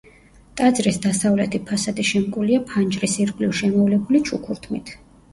ტაძრის დასავლეთი ფასადი შემკულია ფანჯრის ირგვლივ შემოვლებული ჩუქურთმით.